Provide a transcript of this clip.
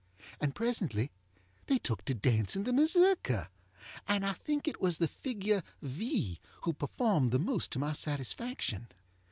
And presently they took to dancing the Mazurka, and I think it was the figure V. who performed the most to my satisfaction.